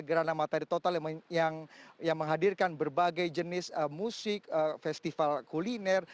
gerhana matahari total yang menghadirkan berbagai jenis musik festival kuliner